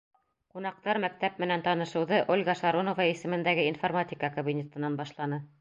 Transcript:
Ҡунаҡтар мәктәп менән танышыуҙы Ольга Шаронова исемендәге информатика кабинетынан башланы.